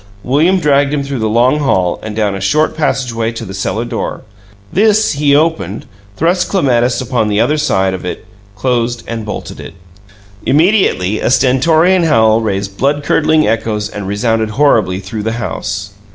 William dragged him through the long hall and down a short passageway to the cellar door. This he opened, thrust Clematis upon the other side of it, closed and bolted it. Immediately a stentorian howl raised blood curdling echoes and resounded horribly through the house.